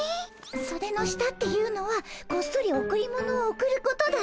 ソデの下っていうのはこっそりおくり物をおくることだよ。